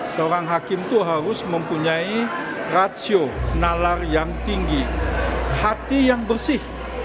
seorang hakim itu harus mempunyai rasio nalar yang tinggi hati yang bersih